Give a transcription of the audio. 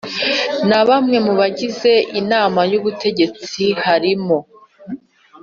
Na bamwe mu bagize inama y ubutegetsi harimo